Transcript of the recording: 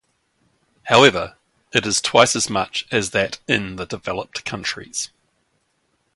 However, it is twice as much as that in the developed countries.